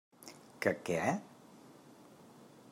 Que què?